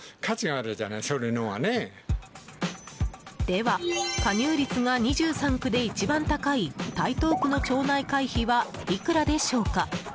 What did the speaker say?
では加入率が２３区で一番高い台東区の町内会費はいくらでしょうか。